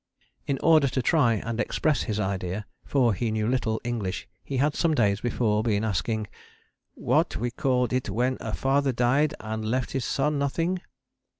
In order to try and express his idea, for he knew little English, he had some days before been asking "what we called it when a father died and left his son nothing."